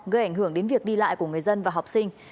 gây ảnh hưởng đến việc đi lại của người dân và học sinh